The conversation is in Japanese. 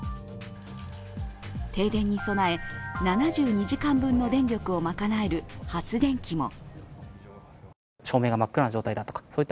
停電に備え、７２時間分の電力を賄える発電機も。